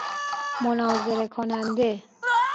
مناظره کننده